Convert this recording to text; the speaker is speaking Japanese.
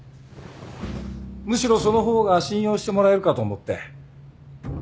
むしろその方が信用してもらえるかと思って。